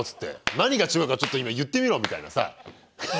「何が違うかちょっと今言ってみろ」みたいなさ。